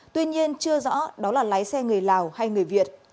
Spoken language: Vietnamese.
tuy nhiên chưa rõ đó là lái xe người lào hay người việt